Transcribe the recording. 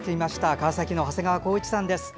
川崎の長谷川晃一さんです。